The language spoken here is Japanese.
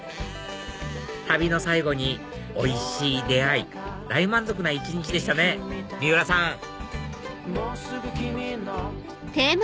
旅の最後においしい出会い大満足な一日でしたね三浦さん！